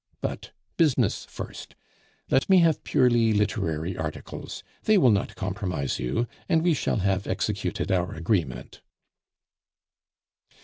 But business first. Let me have purely literary articles; they will not compromise you, and we shall have executed our agreement."